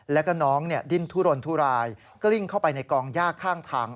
แล้วก็น้องดิ้นทุรนทุรายกลิ้งเข้าไปในกองยากข้างทาง